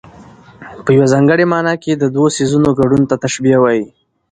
په یوه ځانګړې مانا کې د دوو څيزونو ګډون ته تشبېه وايي.